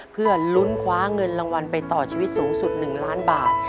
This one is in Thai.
เพื่อลุ้นคว้าเงินรางวัลไปต่อชีวิตสูงสุด๑ล้านบาท